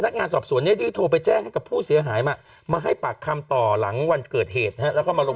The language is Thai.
กับผู้เสียหายมามาให้ปากคำต่อหลังวันเกิดเหตุแล้วมาลง